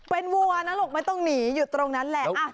เป็นวัวนะลูกไม่ต้องหนีอยู่ตรงนั้นแหละ